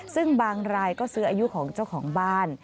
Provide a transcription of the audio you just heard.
ซึ่งบางรายก็ซื้ออายุของเจ้าของบ้าน